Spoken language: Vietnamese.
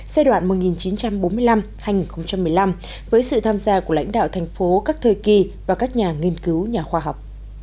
giai đoạn một nghìn chín trăm bốn mươi năm hai nghìn một mươi năm với sự tham gia của lãnh đạo thành phố các thời kỳ và các nhà nghiên cứu nhà khoa học